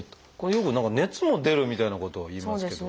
よく何か熱も出るみたいなことを言いますけど。